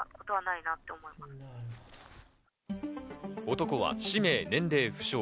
男は氏名・年齢不詳。